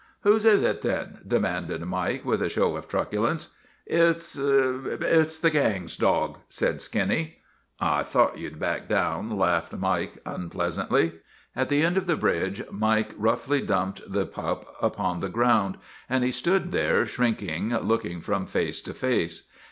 " Whose is it then? " demanded Mike with a show of truculence. " It 's it 's the gang's dog," said Skinny. " I thought you 'd back down," laughed Mike un pleasantly. At the end of the bridge Mike roughly dumped the pup upon the ground, and he stood there shrink ingly, looking from face to face.